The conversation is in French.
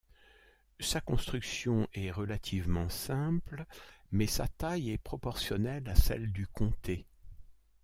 Sa construction est relativement simple, mais sa taille est proportionnelle à celle du comté.